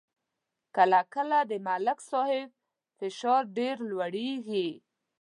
کله کله د ملک صاحب فشار ډېر لوړېږي.